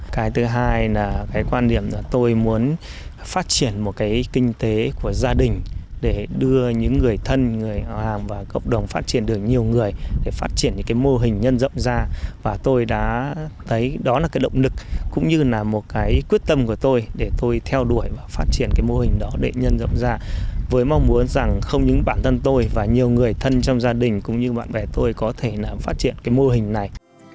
cái thứ hai là cái quan điểm là tôi muốn phát triển một cái kinh tế của gia đình để đưa những người thân người hàng và cộng đồng phát triển được nhiều người để phát triển những cái mô hình nhân rộng ra và tôi đã thấy đó là cái động lực cũng như là một cái quyết tâm của tôi để tôi theo đuổi và phát triển cái mô hình đó để nhân rộng ra với mong muốn rằng không những bản thân tôi và nhiều người thân trong gia đình cũng như bạn bè tôi có thể phát triển cái mô hình này